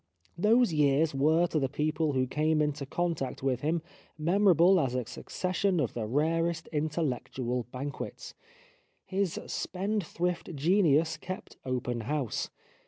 Those years were to the people who came into contact with him memorable as a succession of the rarest intellectual banquets. His spendthrift genius kept open house.